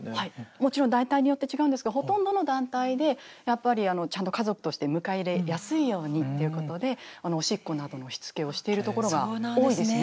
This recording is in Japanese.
もちろん団体によって違うんですがほとんどの団体でやっぱりちゃんと家族として迎え入れやすいようにっていうことでおしっこなどのしつけをしているところが多いですね。